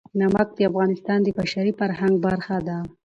نمک د افغانستان د بشري فرهنګ برخه ده.